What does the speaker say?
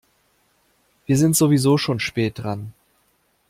Wir sind sowieso schon spät dran.